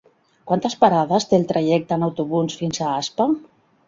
Quantes parades té el trajecte en autobús fins a Aspa?